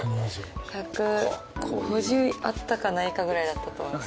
１５０あったかないかぐらいだったと思います